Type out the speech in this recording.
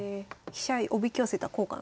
飛車おびき寄せた効果なんですね。